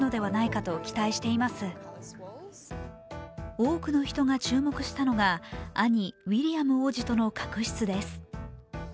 多くの人が注目したのが兄・ウィリアム皇太子との確執です